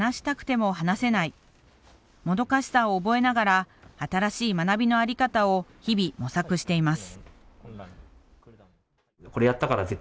もどかしさを覚えながら新しい学びのあり方を日々模索しています。